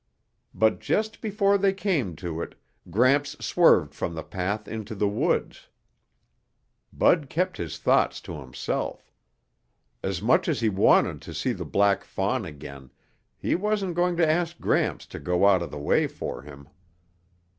But just before they came to it, Gramps swerved from the path into the woods. Bud kept his thoughts to himself. As much as he wanted to see the black fawn again, he wasn't going to ask Gramps to go out of the way for him.